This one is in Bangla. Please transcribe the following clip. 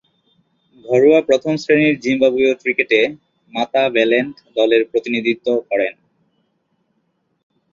ঘরোয়া প্রথম-শ্রেণীর জিম্বাবুয়ীয় ক্রিকেটে মাতাবেলেল্যান্ড দলের প্রতিনিধিত্ব করেন।